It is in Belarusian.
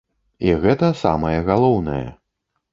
І гэта самае галоўнае.